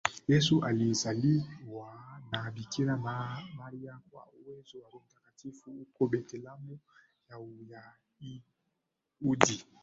Yesu alizaliwa na bikira Maria kwa uwezo wa Roho Mtakatifu huko Bethlehemu ya Uyahudi